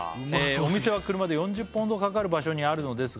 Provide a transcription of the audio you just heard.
「お店は車で４０分ほどかかる場所にあるのですが」